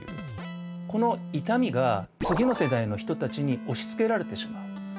この痛みが次の世代の人たちに押しつけられてしまう。